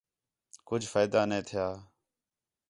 کُج فائدہ نَے تِھیا